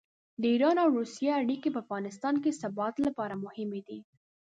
د ایران او روسیې اړیکې په افغانستان کې د ثبات لپاره مهمې دي.